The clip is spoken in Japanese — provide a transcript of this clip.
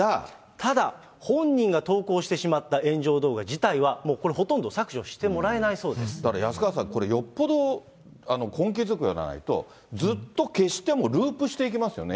ただ、本人が投稿してしまった炎上動画自体はもうほとんど削除してもらだから安川さん、これよっぽど根気強くやらないと、ずっと消してもループしていきますよね。